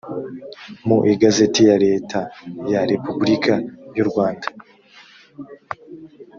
mu igazetiyaletaya repubulika y u rwanda